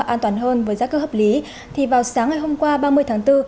an toàn hơn với giá cơ hợp lý thì vào sáng ngày hôm qua ba mươi tháng bốn